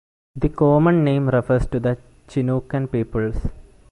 The common name refers to the Chinookan peoples.